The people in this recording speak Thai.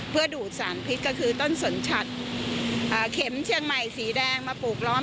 เพื่อดูดสารพิษก็คือต้นสนชัดเข็มเชียงใหม่สีแดงมาปลูกล้อม